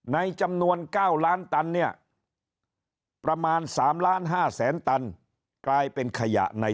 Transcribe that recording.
ในจำนวน๙ล้านตันเนี่ยประมาณ๓ล้าน๕แสนตันกลายเป็นขยะใน